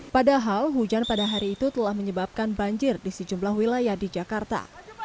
padahal hujan pada hari itu telah menyebabkan banjir di sejumlah wilayah di jakarta